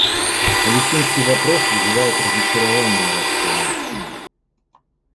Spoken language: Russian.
Палестинский вопрос вызывает разочарование арабской нации.